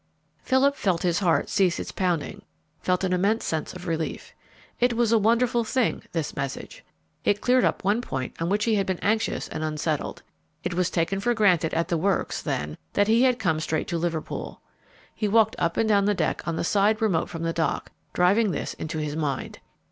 Philip felt his heart cease its pounding, felt an immense sense of relief. It was a wonderful thing, this message. It cleared up one point on which he had been anxious and unsettled. It was taken for granted at the Works, then, that he had come straight to Liverpool. He walked up and down the deck on the side remote from the dock, driving this into his mind.